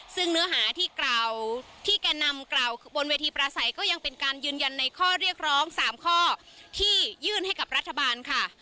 ซึ่งเนื้อหาที่กล่าวที่แก่นำกล่าวบนเวทีประสัยก็ยังเป็นการยืนยันในข้อเรียกร้อง๓ข้อที่ยื่นให้กับรัฐบาลค่ะ